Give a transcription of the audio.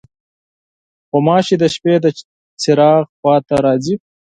غوماشې د شپې د چراغ خوا ته راځي.